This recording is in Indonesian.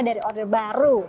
dari order baru